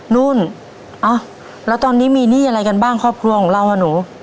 นุ่นเอ้าแล้วตอนนี้มีหนี้อะไรกันบ้างครอบครัวของเราอ่ะหนู